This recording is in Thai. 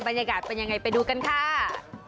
บรรยากาศเป็นยังไงไปดูกันค่ะ